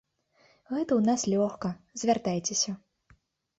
Гэта ў нас лёгка, звяртайцеся.